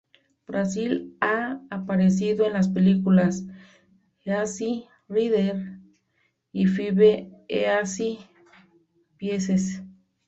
Basil ha aparecido en las películas "Easy Rider" y "Five Easy Pieces".